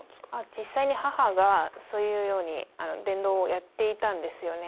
実際に母が、そういうように伝道をやっていたんですね。